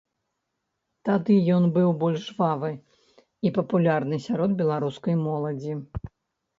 Тады ён быў больш жвавы і папулярны сярод беларускай моладзі.